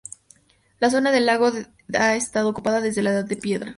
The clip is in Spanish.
La zona del lago ha estado ocupada desde la Edad de Piedra.